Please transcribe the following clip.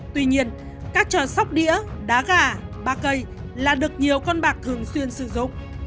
tuy nhiên các trò sóc đĩa đá gà ba cây là được nhiều con bạc thường xuyên sử dụng